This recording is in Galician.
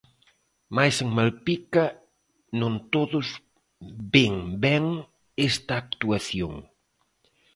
Mais en Malpica non todos ven ben esta actuación.